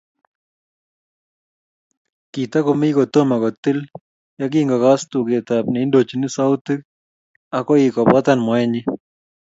Kitakomi kotomo kotil ye kingogas tugetap neindochini sautik akoi kobotan moenyi